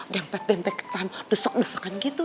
dempet dempet desuk desukan gitu